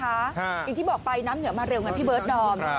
อย่างที่บอกปลายน้ำเหนือมาเร็วอย่างเกิสโด่ง